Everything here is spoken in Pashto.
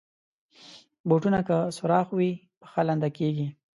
بوټونه که سوراخ وي، پښه لنده کېږي.